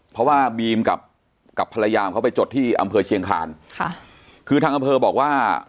เพราะว่าบีมกับกับภรรยาของเขาไปจดที่อำเภอเชียงคานค่ะคือทางอำเภอบอกว่า